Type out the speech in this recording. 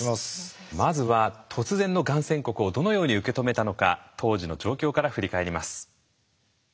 まずは突然のがん宣告をどのように受け止めたのか当時の状況から振り返ります。